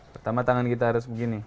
pertama tangan kita harus begini